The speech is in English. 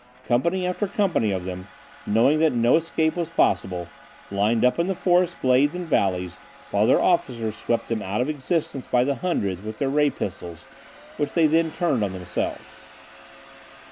Company after company of them, knowing no escape was possible, lined up in the forest glades and valleys, while their officers swept them out of existence by the hundreds with their ray pistols, which they then turned on themselves.